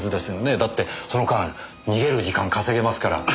だってその間逃げる時間稼げますから。